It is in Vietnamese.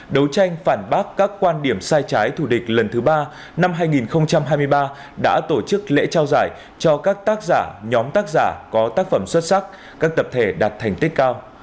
đấu tranh phản bác các quan điểm sai trái thù địch lần thứ ba năm hai nghìn hai mươi ba đã tổ chức lễ trao giải cho các tác giả nhóm tác giả có tác phẩm xuất sắc các tập thể đạt thành tích cao